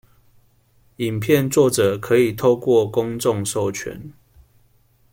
影片作者可以透過公眾授權